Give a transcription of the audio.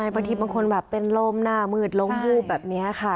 บางทีบางคนแบบเป็นลมหน้ามืดล้มวูบแบบนี้ค่ะ